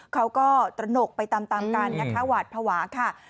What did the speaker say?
เขาก็ตระหนกไปตามกันนะคะหวาดภาวะค่ะ